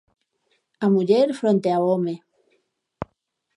A muller fronte ao home.